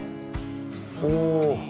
お。